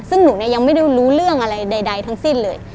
ซึ่งหนูเนี่ยยังไม่ได้รู้เรื่องอะไรใดทั้งสิ้นเลย